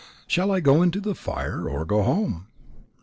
Shall I go into the fire, or go home?